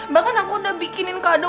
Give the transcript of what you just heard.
bahkan aku udah bikinin kado